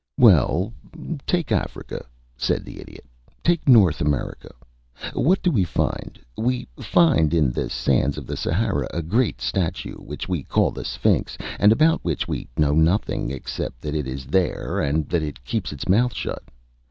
"Well, take Africa," said the Idiot. "Take North America. What do we find? We find in the sands of the Sahara a great statue, which we call the Sphinx, and about which we know nothing, except that it is there and that it keeps its mouth shut.